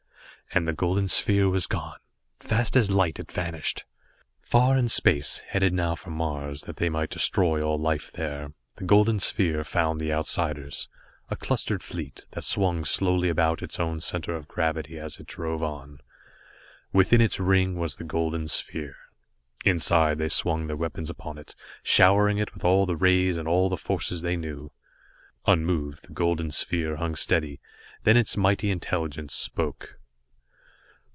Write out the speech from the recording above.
And the golden sphere was gone, fast as light it vanished. Far in space, headed now for Mars, that they might destroy all life there, the golden sphere found the Outsiders, a clustered fleet, that swung slowly about its own center of gravity as it drove on. Within its ring was the golden sphere. Instantly, they swung their weapons upon it, showering it with all the rays and all the forces they knew. Unmoved, the golden sphere hung steady, then its mighty intelligence spoke.